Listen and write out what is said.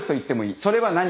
それは何か。